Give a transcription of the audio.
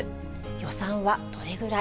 予算はどれぐらい？